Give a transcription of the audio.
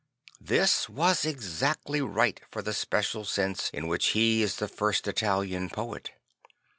This was exactly right for the special sense in which he is the first Italian poet.